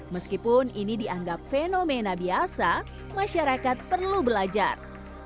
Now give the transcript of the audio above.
meskipun ini dianggap fenomena biasa masyarakat perlu belajar